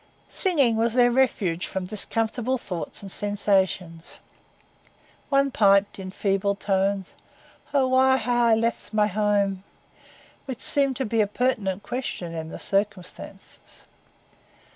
Singing was their refuge from discomfortable thoughts and sensations. One piped, in feeble tones, 'Oh why left I my hame?' which seemed a pertinent question in the circumstances.